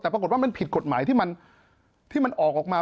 แต่ปรากฏว่ามันผิดกฎหมายที่มันออกมา